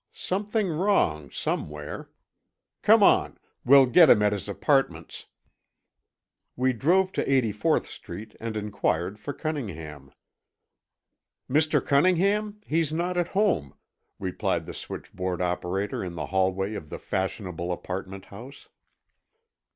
Something wrong, somewhere. Come on. We'll get him at his apartments." We drove to 84th Street and inquired for Cunningham. "Mr. Cunningham? He's not at home," replied the switchboard operator in the hallway of the fashionable apartment house.